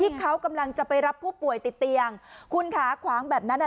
ที่เขากำลังจะไปรับผู้ป่วยติดเตียงคุณขาขวางแบบนั้นอ่ะ